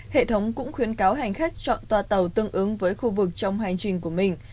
hệ thống cũng khuyến cáo hành khách chọn toa tàu tương ứng với khu vực trong hành trình của mình